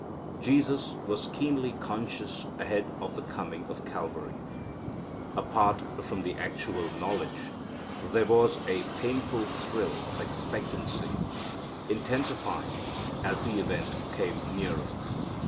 Jesus was keenly conscious ahead of the coming of Calvary. Apart from the actual knowledge, there was a painful thrill of expectancy, intensifying as the event came nearer.